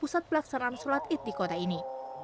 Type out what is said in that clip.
pusat pelaksanaan sholat id di kota ini